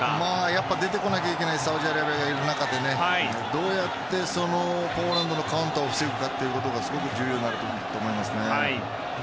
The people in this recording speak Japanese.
やっぱり出てこないといけないサウジアラビアがどうやってポーランドのカウンターを防ぐかがすごく重要になると思いますね。